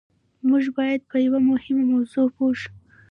موږ بايد په يوه مهمه موضوع پوه شو.